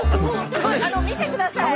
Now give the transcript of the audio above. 見てください。